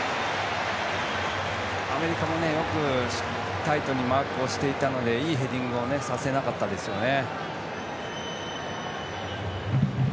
アメリカもよくタイトにマークしていたのでいいヘディングをさせなかったですよね。